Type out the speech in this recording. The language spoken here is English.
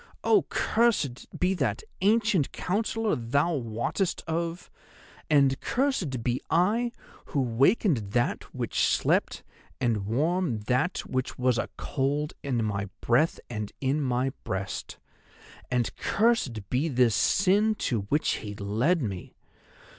Oh, cursed be that ancient Counsellor thou wottest of, and cursed be I who wakened That which slept, and warmed That which was a cold in my breath and in my breast! And cursed be this sin to which he led me!